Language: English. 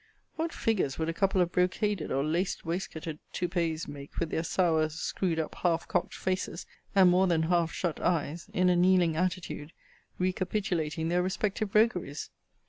What figures would a couple of brocaded or laced waistcoated toupets make with their sour screw'd up half cock'd faces, and more than half shut eyes, in a kneeling attitude, recapitulating their respective rogueries?